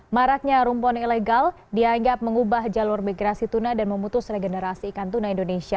maraknya rumpon ilegal dianggap mengubah jalur migrasi tuna dan memutus regenerasi ikan tuna indonesia